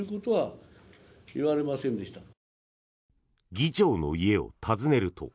議長の家を訪ねると。